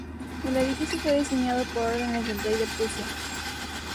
El edificio fue diseñado por orden del Rey de Prusia.